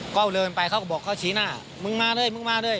ก็เดินไปเขาก็บอกเขาชี้หน้ามึงมาเลยมึงมาเลย